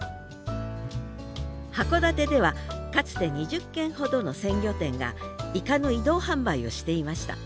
函館ではかつて２０軒ほどの鮮魚店がイカの移動販売をしていました。